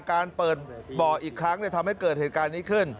การเปิดบ่ออีกครั้งทำให้เกิดเหตุการณ์นี้ขึ้น